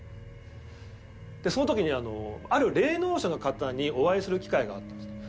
その時にある霊能者の方にお会いする機会があったんですね。